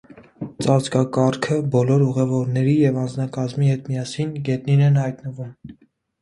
Ծածկակառքը, բոլոր ուղևորների և անձնակազմի հետ միասին, գետնին են հայտնվում։